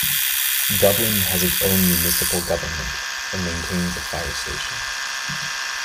Dublin has its own municipal government and maintains a fire station.